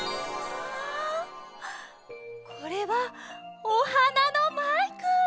これはお花のマイク！